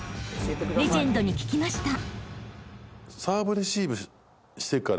レジェンドに聞きました］